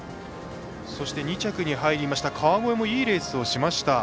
そして２着に入りました川越もいいレースしました。